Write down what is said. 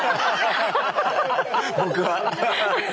僕は。